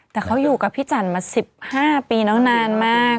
แต่เขาอยู่กับพี่จันทร์มา๑๕ปีแล้วนานมาก